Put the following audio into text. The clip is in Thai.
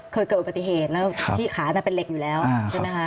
เกิดอุบัติเหตุแล้วที่ขาน่ะเป็นเหล็กอยู่แล้วใช่ไหมคะ